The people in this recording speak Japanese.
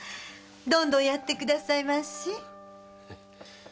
どんどんやってくださいまし。